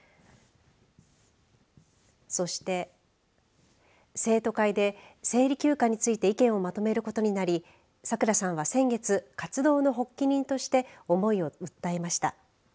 そして生徒会で生理休暇について意見をまとめることになりさくらさんは先月活動の発起人として思いを訴えました。